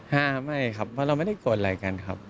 ห้าไม่ครับเพราะเราไม่ได้โกรธอะไรกันครับ